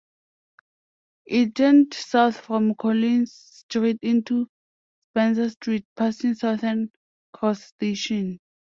It turned south from Collins Street into Spencer Street, passing Southern Cross station.